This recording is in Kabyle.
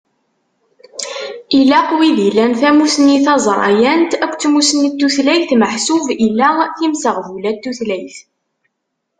Ilaq wid ilan tamussni taẓrayant akked tmussni n tutlayt meḥsub ila timseɣbula n tutlayt.